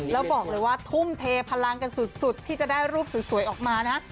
แล้วบอกเลยว่าทุ่มเทพลังกันสุดที่จะได้รูปสวยออกมานะ